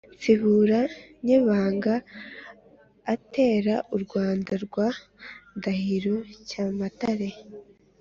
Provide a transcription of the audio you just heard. nsibura nyebunga atera u rwanda rwa ndahiro cyamatare,